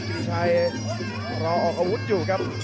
พี่ชัยรอออกอาวุธอยู่ครับ